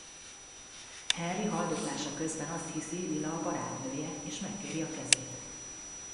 Henry haldoklása közben azt hiszi Lila a barátnője és megkéri a kezét.